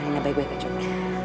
alina baik gue kejurut